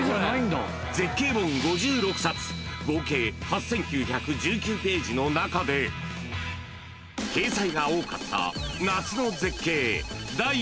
［絶景本５６冊合計８，９１９ページの中で掲載が多かった夏の絶景第１０位は］